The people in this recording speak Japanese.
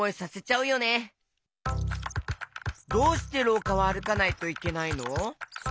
どうしてろうかはあるかないといけないの？